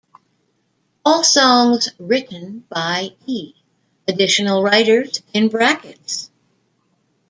All songs written by E; additional writers in brackets.